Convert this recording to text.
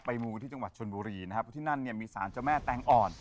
มูที่จังหวัดชนบุรีนะครับเพราะที่นั่นเนี่ยมีสารเจ้าแม่แตงอ่อน